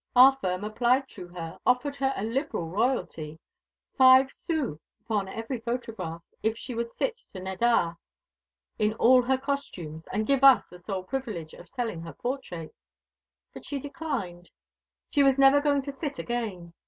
Our firm applied to her, offered her a liberal royalty five sous upon every photograph if she would sit to Nadar, in all her costumes, and give us the sole privilege of selling her portraits. But she declined. She was never going to sit again.